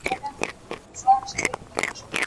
هغه وويل چي ځواب سم دی.